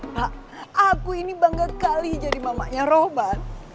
pak aku ini bangga kali jadi mamanya roban